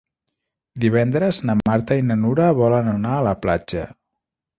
Divendres na Marta i na Nura volen anar a la platja.